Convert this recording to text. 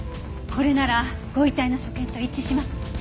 これならご遺体の所見と一致します。